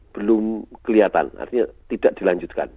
belum kelihatan artinya tidak dilanjutkan